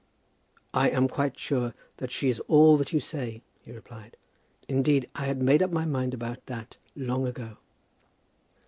"I am quite sure that she is all that you say," he replied. "Indeed I had made up my mind about that long ago."